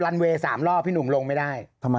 ยังไง